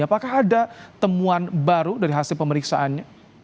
apakah ada temuan baru dari hasil pemeriksaannya